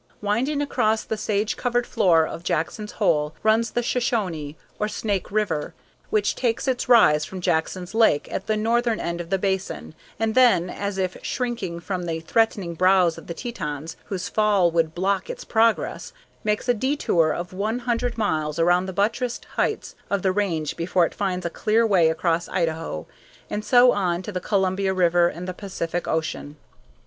Winding across the sage covered floor of Jackson's Hole runs the Shoshone, or Snake River, which takes its rise from Jackson's Lake at the northern end of the basin, and then, as if shrinking from the threatening brows of the Tetons, whose fall would block its progress, makes a detour of one hundred miles around the buttressed heights of the range before it finds a clear way across Idaho, and so on to the Columbia River and the Pacific Ocean.